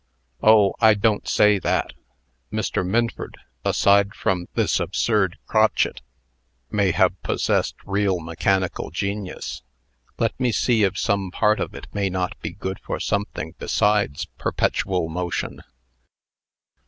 "Oh! I don't say that. Mr. Minford, aside from this absurd crotchet, may have possessed real mechanical genius. Let me see if some part of it may not be good for something besides perpetual motion."